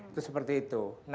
itu seperti itu